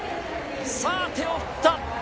さあ、手を振った。